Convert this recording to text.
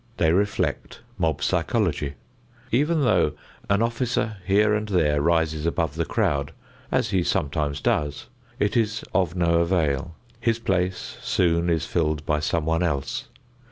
They reflect mob psychology. Even though an officer here and there rises above the crowd, as he sometimes does, it is of no avail. His place soon is filled by someone else.